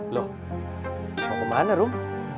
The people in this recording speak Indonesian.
loh mau ke mana rum